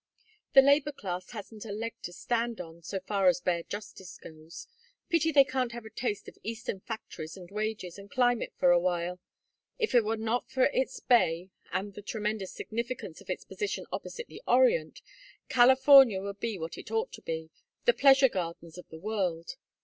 The labor class hasn't a leg to stand on, so far as bare justice goes. Pity they can't have a taste of Eastern factories and wages and climate for a while. If it were not for its bay and the tremendous significance of its position opposite the Orient, California would be what it ought to be, the pleasure gardens of the world.